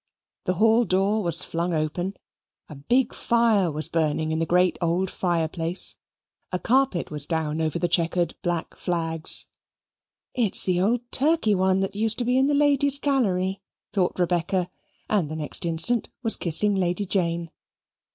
The hall door was flung open a big fire was burning in the great old fire place a carpet was down over the chequered black flags "It's the old Turkey one that used to be in the Ladies' Gallery," thought Rebecca, and the next instant was kissing Lady Jane.